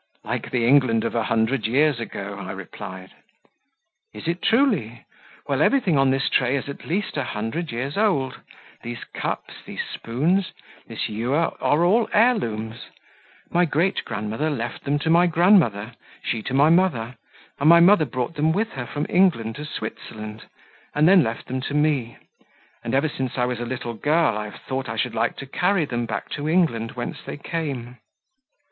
"Like the England of a hundred years ago," I replied. "Is it truly? Well, everything on this tray is at least a hundred years old: these cups, these spoons, this ewer, are all heirlooms; my great grandmother left them to my grandmother, she to my mother, and my mother brought them with her from England to Switzerland, and left them to me; and, ever since I was a little girl, I have thought I should like to carry them back to England, whence they came."